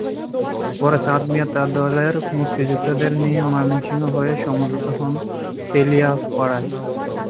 পরে চাঁদ মিয়া তার দলের মুক্তিযোদ্ধাদের নিয়ে ময়মনসিংহ হয়ে সমবেত হন তেলিয়াপাড়ায়।